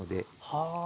はあ。